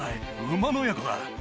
馬の親子だ。